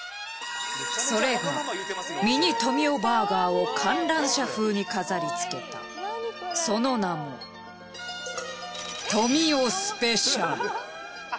それがミニ富美男バーガーを観覧車風に飾りつけたその名も富美男スペシャル。